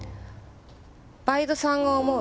バイトさんが思う